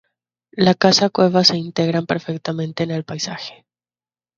Las casas-cueva se integran perfectamente en el paisaje.